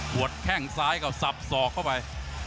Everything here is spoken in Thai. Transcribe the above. ดแข้งซ้ายก็สับสอกเข้าไป